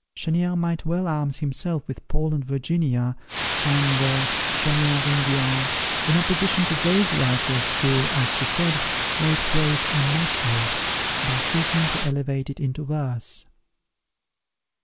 Chenier might well arm himself with "Paul and Virginia," and the "Chaumiere Indienne," in opposition to those writers, who, as he said, made prose unnatural, by seeking to elevate it into verse.